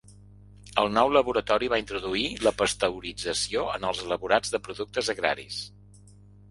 El nou laboratori va introduir la pasteurització en els elaborats de productes agraris.